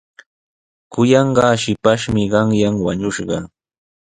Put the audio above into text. Kuyanqaa shipashmi qanyan wañushqa.